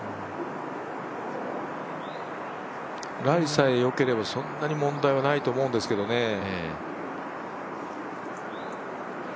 ライさえよければそんなに問題ないとは思うんですけどね。